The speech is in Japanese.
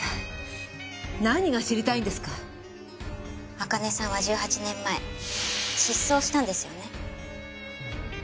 朱音さんは１８年前失踪したんですよね？